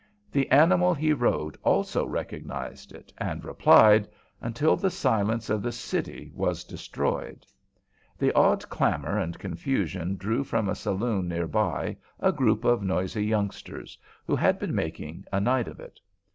The animal he rode also recognized it, and replied, until the silence of the city was destroyed. The odd clamor and confusion drew from a saloon near by a group of noisy youngsters, who had been making a night of it.